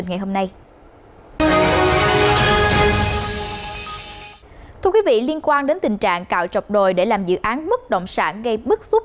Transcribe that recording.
các vị liên quan đến tình trạng cạo trọc đồi để làm dự án mất động sản gây bức xúc